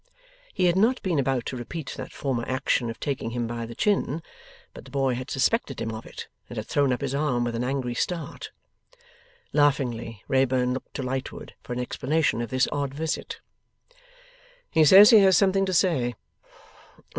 He had not been about to repeat that former action of taking him by the chin, but the boy had suspected him of it, and had thrown up his arm with an angry start. Laughingly, Wrayburn looked to Lightwood for an explanation of this odd visit. 'He says he has something to say.